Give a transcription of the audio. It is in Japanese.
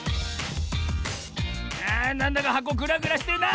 あなんだかはこグラグラしてるな！